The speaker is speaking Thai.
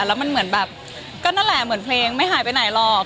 แล้วมันเหมือนแบบก็นั่นแหละเหมือนเพลงไม่หายไปไหนหรอก